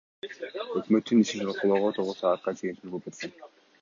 Өкмөттүн ишин талкуулоо тогуз саатка чейин созулуп кеткен.